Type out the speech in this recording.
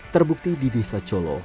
terbukti di desa colo